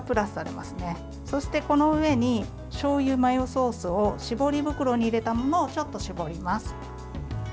そして、この上にしょうゆマヨソースを絞り袋に入れたものをちょっと絞ります。